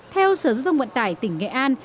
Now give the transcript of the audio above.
theo sở dự tông vận tải tỉnh nghệ an